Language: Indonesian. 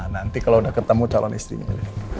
nanti kalau udah ketemu calon istrinya